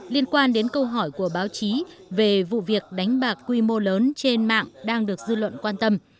liên quan đến câu hỏi của báo chí về vụ việc đánh bạc quy mô lớn trên mạng đang được dư luận quan tâm